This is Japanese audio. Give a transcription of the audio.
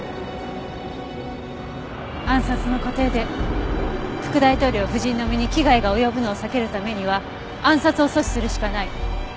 暗殺の過程で副大統領夫人の身に危害が及ぶのを避けるためには暗殺を阻止するしかない。